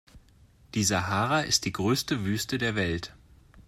Die Sahara ist die größte Wüste der Welt.